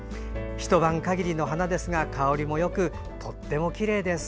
ひと晩限りの花ですが香りもよくとてもきれいです。